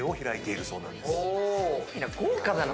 豪華だな